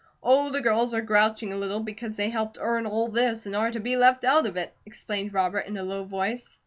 "Oh, the girls are grouching a little because they helped earn all this, and are to be left out of it," explained Robert in a low voice.